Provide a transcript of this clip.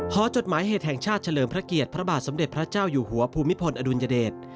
จดหมายเหตุแห่งชาติเฉลิมพระเกียรติพระบาทสมเด็จพระเจ้าอยู่หัวภูมิพลอดุลยเดช